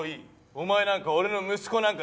お前なんか俺の息子なんかじゃねえ。